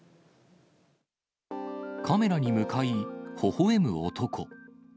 カメラに向かい、ほほえむ男。